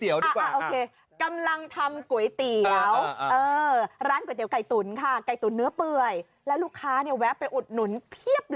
อย่าพูดครับดีลองรับลูกก๋วยเตี๋ยว